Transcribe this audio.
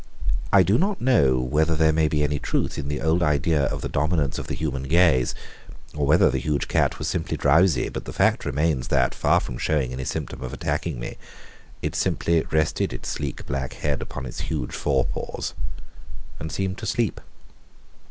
I do not know whether there may be any truth in the old idea of the dominance of the human gaze, or whether the huge cat was simply drowsy, but the fact remains that, far from showing any symptom of attacking me, it simply rested its sleek, black head upon its huge forepaws and seemed to sleep.